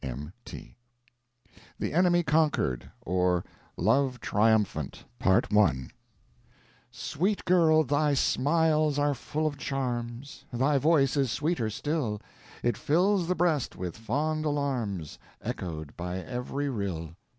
M.T.) THE ENEMY CONQUERED; OR, LOVE TRIUMPHANT Sweet girl, thy smiles are full of charms, Thy voice is sweeter still, It fills the breast with fond alarms, Echoed by every rill.